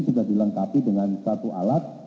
sudah dilengkapi dengan satu alat